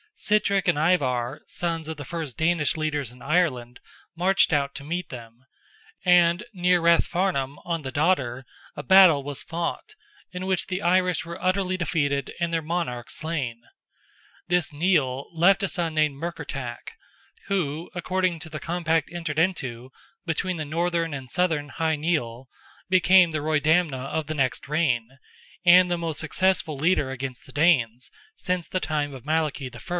Sitrick and Ivar, sons of the first Danish leaders in Ireland, marched out to meet them, and near Rathfarnham, on the Dodder, a battle was fought, in which the Irish were utterly defeated and their monarch slain. This Nial left a son named Murkertach, who, according to the compact entered into between the Northern and Southern Hy Nial, became the Roydamna of the next reign, and the most successful leader against the Danes, since the time of Malachy I.